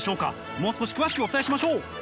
もう少し詳しくお伝えしましょう。